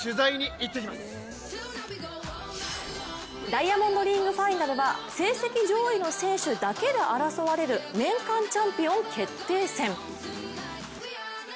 ダイヤモンドリーグファイナルは、成績上位の選手だけで争われる年間チャンピオン決定戦。